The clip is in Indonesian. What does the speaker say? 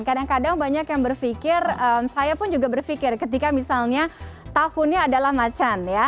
kadang kadang banyak yang berpikir saya pun juga berpikir ketika misalnya tahunnya adalah macan ya